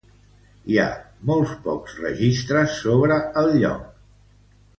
Hi ha molt pocs registres sobre el lloc.